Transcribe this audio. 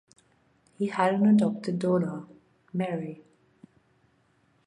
He had an adopted daughter, Mary.